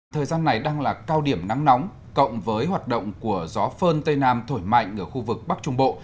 thời gian này đang là cao điểm nắng nóng cộng với hoạt động của gió phơn tây nam thổi mạnh ở khu vực bắc trung bộ